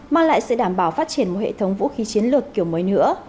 mang lại sự đảm bảo phát triển một hệ thống vũ khí chiến lược kiểu mới nữa